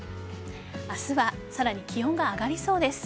明日はさらに気温が上がりそうです。